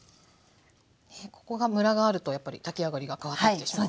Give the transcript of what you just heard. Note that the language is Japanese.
ねえここがむらがあるとやっぱり炊き上がりが変わってきてしまう。